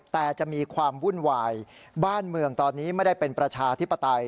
แต่จะมีความวุ่นวายบ้านเมืองตอนนี้ไม่ได้เป็นประชาธิปไตย